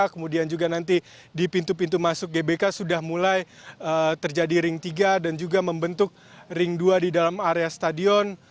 kemudian juga nanti di pintu pintu masuk gbk sudah mulai terjadi ring tiga dan juga membentuk ring dua di dalam area stadion